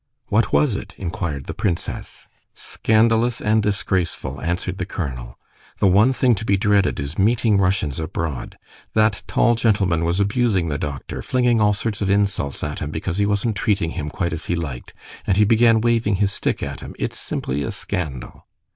"What was it?" inquired the princess. "Scandalous and disgraceful!" answered the colonel. "The one thing to be dreaded is meeting Russians abroad. That tall gentleman was abusing the doctor, flinging all sorts of insults at him because he wasn't treating him quite as he liked, and he began waving his stick at him. It's simply a scandal!"